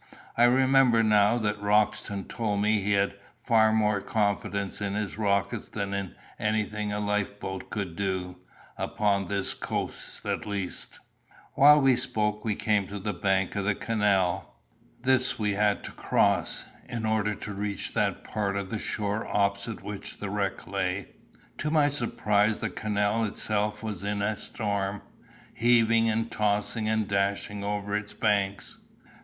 "I remember now that Roxton told me he had far more confidence in his rockets than in anything a life boat could do, upon this coast at least." While we spoke we came to the bank of the canal. This we had to cross, in order to reach that part of the shore opposite which the wreck lay. To my surprise the canal itself was in a storm, heaving and tossing and dashing over its banks.